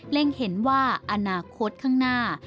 เห็นว่าอนาคตข้างหน้า